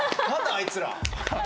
あいつら。